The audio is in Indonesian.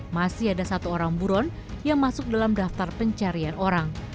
masih ada satu orang buron yang masuk dalam daftar pencarian orang